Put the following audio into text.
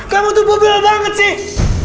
kamu tuh pukul banget sih